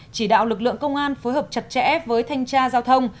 chỉ đạo lực lượng công an phối hợp chặt chẽ với thanh tra giao thông